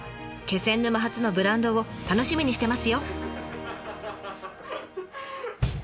気仙沼発のブランドを楽しみにしてますよ！